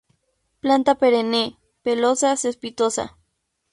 Planta perenne, pelosa, cespitosa.